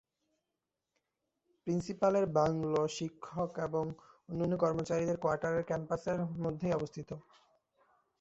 প্রিন্সিপ্যাল-এর বাংলো, শিক্ষক এবং অন্যান্য কর্মচারীদের কোয়ার্টার ক্যাম্পাসের মধ্যেই অবস্থিত।